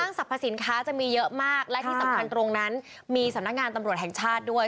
สรรพสินค้าจะมีเยอะมากและที่สำคัญตรงนั้นมีสำนักงานตำรวจแห่งชาติด้วย